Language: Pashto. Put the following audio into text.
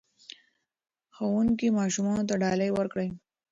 ښوونکي ماشومانو ته ډالۍ ورکړې.